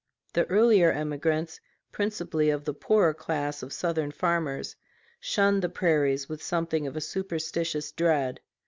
The earlier emigrants, principally of the poorer class of Southern farmers, shunned the prairies with something of a superstitious dread.